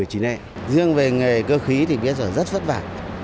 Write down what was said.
riêng về nghề cơ khí thì bây giờ rất vất vả